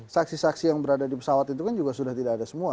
saksi saksi yang berada di pesawat itu kan juga sudah tidak ada semua